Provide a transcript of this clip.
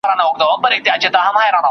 ټکنالوژي سوداګرۍ سيستمونه اغېزمن کوي.